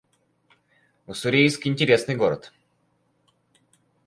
Уссурийск — интересный город